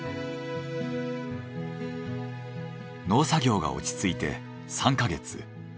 農作業が落ち着いて３か月。